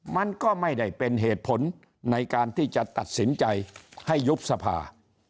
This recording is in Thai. มันก็ไม่ได้เป็นเหตุผลในการที่จะตัดสินใจให้ยุบสภา